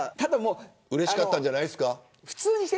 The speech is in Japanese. うれしかったんじゃないですか。